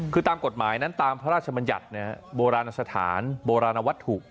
คือตามกฎหมายนั้นตามพระราชมัญญัติโบราณสถานโบราณวัตถุ